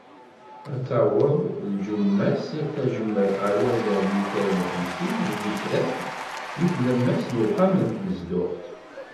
Ad taweḍ tjumma-s tajemmalt ɣer wazal n mitayen uxemsin n lmitrat di tlemmast n uxxam n tnezduɣt.